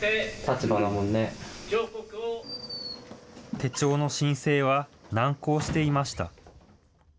手帳の申請は難航していました。